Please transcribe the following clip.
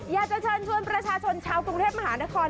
อยากจะเชิญชวนประชาชนชาวกรุงเทพมหานคร